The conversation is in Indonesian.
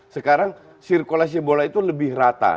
sekarang sirkulasi bola itu lebih rata